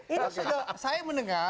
ini sudah saya mendengar